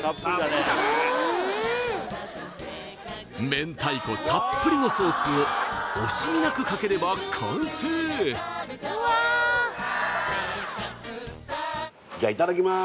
明太子たっぷりのソースを惜しみなくかければ完成じゃあいただきまー